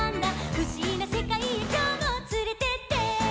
「ふしびなせかいへきょうもつれてって！」